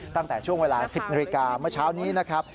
ตั้งแต่ช่วงเวลา๑๐นาฬิกาเมื่อเช้านี้นะครับ